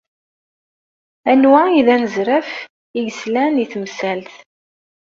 Anwa i d anezraf i yeslan i temsalt?